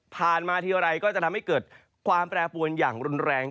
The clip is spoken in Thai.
มาทีไรก็จะทำให้เกิดความแปรปวนอย่างรุนแรง